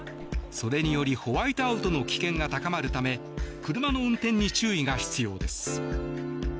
それによりホワイトアウトの危険が高まるため車の運転に注意が必要です。